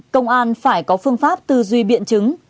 công an phải có phương pháp tư duy biện chứng